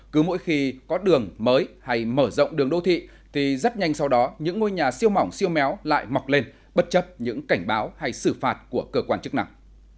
cứ mỗi khi có đường mới hay mở rộng đường đô thị thì rất nhanh sau đó những ngôi nhà siêu mỏng siêu méo lại mọc lên bất chấp những cảnh báo hay xử phạt của cơ quan chức năng